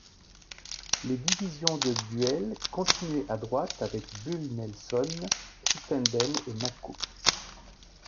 Les divisions de Buell continuaient à droite avec Bull Nelson, Crittenden et McCook.